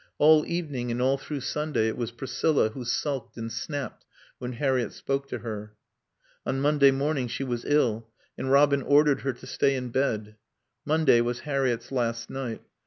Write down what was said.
All evening and all through Sunday it was Priscilla who sulked and snapped when Harriett spoke to her. On Monday morning she was ill, and Robin ordered her to stay in bed. Monday was Harriett's last night.